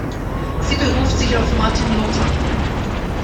Sie beruft sich auf Martin Luther.